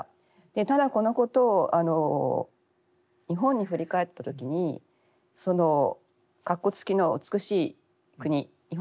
ただこのことを日本に振り返った時に括弧付きの「美しい国日本」